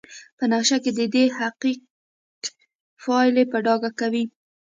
په نقشه کې ددې حقیق پایلې په ډاګه کوي.